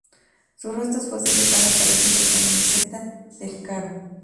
Sus restos fósiles han aparecido en la meseta del Karoo.